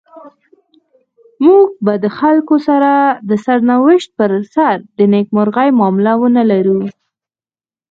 موږ به د خلکو د سرنوشت پر سر د نيکمرغۍ معامله ونلرو.